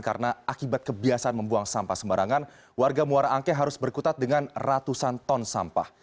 karena akibat kebiasaan membuang sampah sembarangan warga muara angke harus berkutat dengan ratusan ton sampah